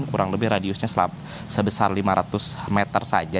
kurang lebih radiusnya sebesar lima ratus meter saja